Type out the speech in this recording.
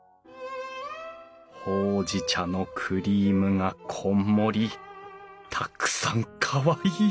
ほうじ茶のクリームがこんもりたくさんかわいい！